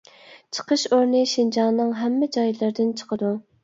چىقىش ئورنى شىنجاڭنىڭ ھەممە جايلىرىدىن چىقىدۇ.